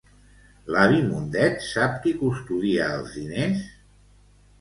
L'avi Mundet sap qui custodia els diners?